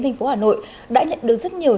thành phố hà nội đã nhận được rất nhiều